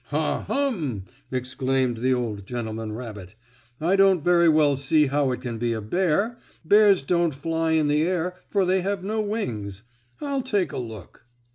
"Ha! Hum!" exclaimed the old gentleman rabbit. "I don't very well see how it can be a bear. Bears don't fly in the air, for they have no wings. I'll take a look."